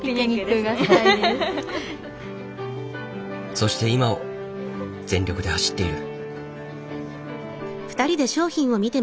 そして今を全力で走っている。